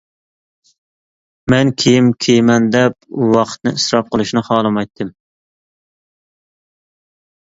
مەن كىيىم كىيىمەن دەپ ۋاقىتنى ئىسراپ قىلىشنى خالىمايتتىم.